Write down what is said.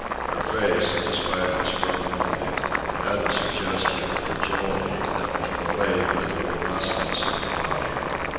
Her face, despite its firm moulding, had a suggestion of fragility that was belied by the robustness of her body.